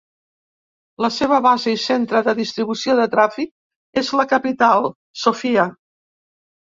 La seva base i centre de distribució de tràfic és la capital, Sofia.